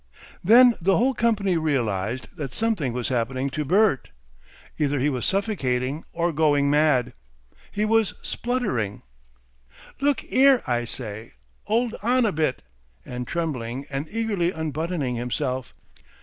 Then the whole company realised that something was happening to Bert; either he was suffocating or going mad. He was spluttering. "Look 'ere! I say! 'Old on a bit!" and trembling and eagerly unbuttoning himself.